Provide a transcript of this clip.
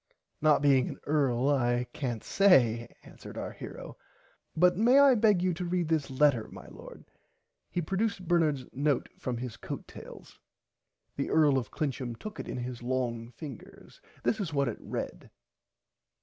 Not being an earl I cant say answered our hero but may I beg you to read this letter my Lord. He produced Bernards note from his coat tails. The Earl of Clincham took it in his long fingers. This is what he read.